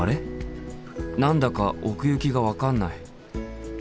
何だか奥行きが分かんない。